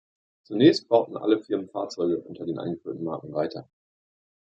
Zunächst bauten alle Firmen Fahrzeuge unter den eingeführten Marken weiter.